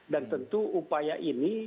dan tentu upaya ini